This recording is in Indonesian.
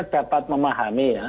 iya saya dapat memahami ya